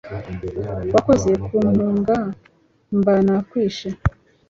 wakoze kumpunga mba nakwishe